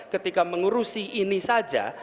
ketika mengurusi ini saja